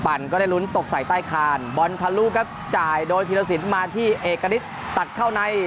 ก็ได้ลุ้นตกใส่ใต้คานบอลทะลุครับจ่ายโดยธีรสินมาที่เอกณิตตัดเข้าใน